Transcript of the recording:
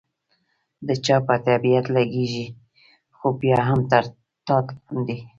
د چا په طبیعت لګېږي، خو بیا هم تر ټاټ لاندې.